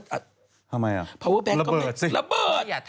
ทำไมอ่ะระเบิดสิ